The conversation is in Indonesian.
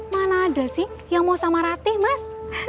mana ada sih yang mau sama ratih mas